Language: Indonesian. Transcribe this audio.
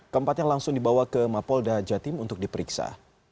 keempatnya langsung dibawa ke mapolda jatim untuk diperiksa